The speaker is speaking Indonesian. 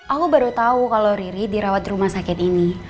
aku baru tau kalau riri dirawat rumah sakit ini